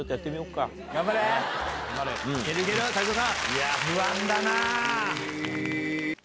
いや不安だな。